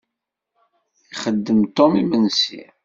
Ixeddem Tom imensi.